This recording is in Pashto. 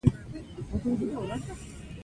میرمن عظمت پورتنۍ موضوع ته پکې انعکاس ورکړی.